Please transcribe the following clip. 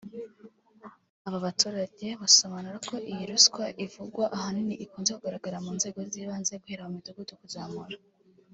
Aba baturage basobanura ko iyi ruswa ivugwa ahanini ikunze kugaragara mu nzego z’ibanze guhera mu midugudu kuzamura